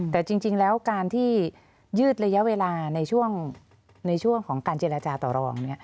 แต่จริงแล้วการที่ยืดระยะเวลาในช่วงของการเจรจาต่อรอง